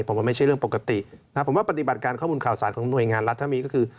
ผมว่าไม่ใช่เรื่องปกตินะครับผมว่าปฏิบัติการข้อมูลข่าวสารของหน่วยงานรัฐถ้ามีก็คือ